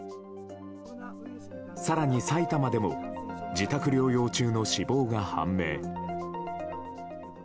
更に埼玉でも自宅療養中の死亡が判明。